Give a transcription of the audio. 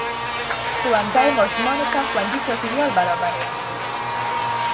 ښوونځی ماشومانو ته خوندي چاپېریال برابروي